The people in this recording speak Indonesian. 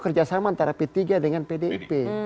kerjasama antara p tiga dengan pdip